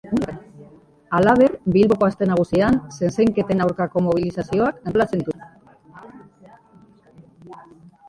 Halaber, Bilboko Aste Nagusian zezenketen aurkako mobilizazioak antolatzen dituzte.